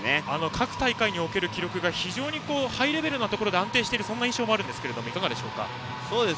各大会における記録が非常にハイレベルなところで安定している印象もありますがいかがでしょうか。